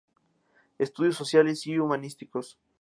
Estudios Sociales y Humanísticos.